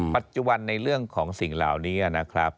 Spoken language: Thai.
ปัจจุบันในเรื่องของสิ่งเหล่านี้นะครับ